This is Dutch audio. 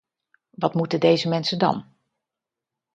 Wat moeten deze mensen dan?